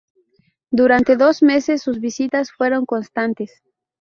Durante dos meses sus visitas fueron constantes.